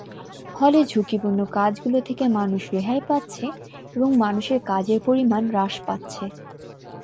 ফলে ঝুকিপূর্ণ কাজগুলো থেকে মানুষ রেহাই পাচ্ছে এবং মানুষের কাজের পরিমাণ হ্রাস পাচ্ছে।